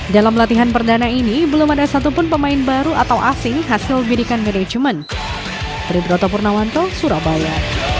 dalam latihan ini pemain hanya berlatih ringan dan mengembalikan kondisi fisik untuk bersiapkan pernikahan di papua